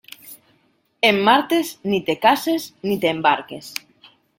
En martes ni te cases ni te embarques.